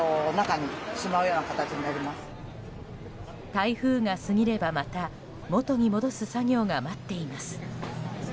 台風が過ぎればまた元に戻す作業が待っています。